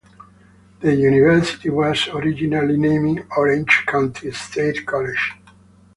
The university was originally named Orange County State College.